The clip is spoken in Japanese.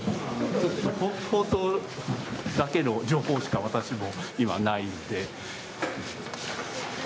放送だけの情報しか私も今、ないんで。